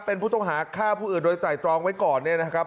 เป็นผู้ต้องหาฆ่าผู้อื่นโดยไตรตรองไว้ก่อนเนี่ยนะครับ